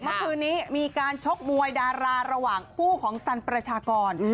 เมื่อคืนนี้มีการชกมวยดาราระหว่างคู่ของสันประชากร